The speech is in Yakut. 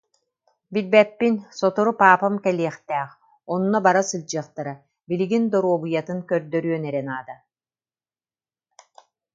Билбэппин, сотору паапам кэлиэхтээх, онно бара сылдьыахтара, билигин доруобуйатын көрдөрүөн эрэ наада